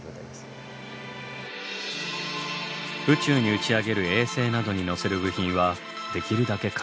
宇宙に打ち上げる衛星などに載せる部品はできるだけ軽くすることが重要です。